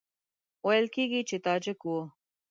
ویل کېږي چې تاجک وو.